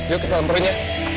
yuk kita samperin ya